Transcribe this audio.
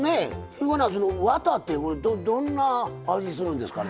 日向夏のワタってどんな味するんですかね